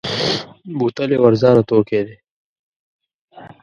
بوتل یو ارزانه توکی دی.